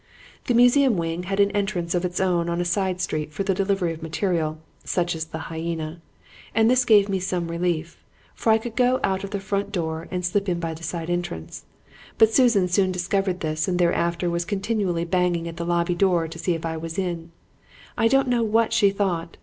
"The museum wing had an entrance of its own in a side street for the delivery of material (such as the hyena), and this gave me some relief; for I could go out of the front door and slip in by the side entrance. But Susan soon discovered this and thereafter was continually banging at the lobby door to see if I was in. I don't know what she thought.